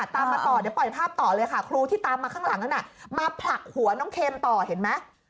ตามมาต่อเดี๋ยวปล่อยภาพต่อเลยค่ะครูที่ตามมาข้างหลังนั้นมาผลักหัวน้องเคมต่อเห็นไหม